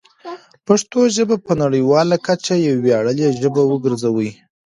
پښتو ژبه په نړیواله کچه یوه ویاړلې ژبه وګرځوئ.